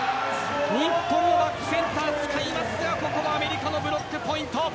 日本もバックセンターを使いますがアメリカのブロックポイント。